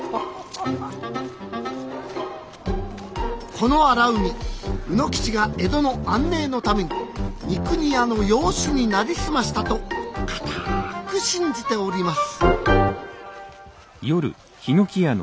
この荒海卯之吉が江戸の安寧のために三国屋の養子になりすましたと固く信じております